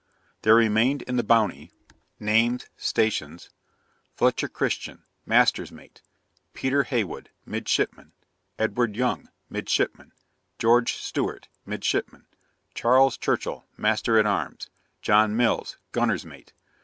'There remained in the Bounty: Names. Stations. FLETCHER CHRISTIAN Master's Mate. PETER HEYWOOD } Midshipman. EDWARD YOUNG } Midshipman. GEORGE STEWART } Midshipman. CHARLES CHURCHILL Master at Arms. JOHN MILLS Gunner's Mate.